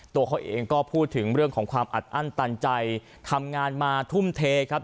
ตัวเขาเองก็พูดถึงเรื่องของความอัดอั้นตันใจทำงานมาทุ่มเทครับ